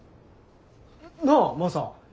なあマサ。